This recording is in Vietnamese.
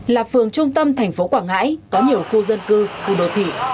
lạp phường trung tâm thành phố quảng ngãi có nhiều khu dân cư khu đồ thị